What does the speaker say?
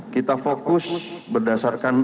kita fokus berdasarkan